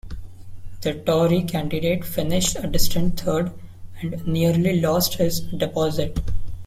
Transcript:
The Tory candidate finished a distant third, and nearly lost his deposit.